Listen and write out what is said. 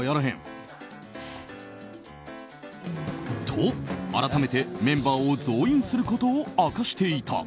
と、改めてメンバーを増員することを明かしていた。